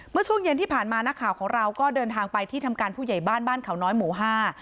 เมื่อช่วงเย็นที่ผ่านมานักข่าวของเราก็เดินทางไปที่ทำการผู้ใหญ่บ้านบ้านเขาน้อยหมู่ห้า